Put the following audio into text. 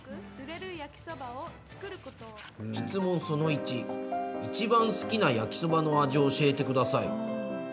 その１いちばん好きな焼きそばの味を教えてください。